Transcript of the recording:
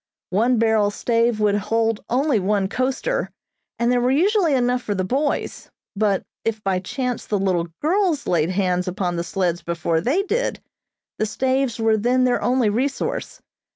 One barrel stave would hold only one coaster, and there were usually enough for the boys, but if by chance the little girls laid hands upon the sleds before they did, the staves were then their only resource.